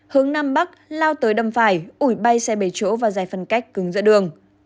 hướng nam bắc lao tới đâm phải ủi bay xe bể chỗ vào giải phân cách cứng giữa đường